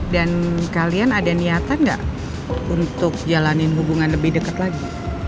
dan kalian ada niatan gak untuk jalanin hubungan lebih deket lagi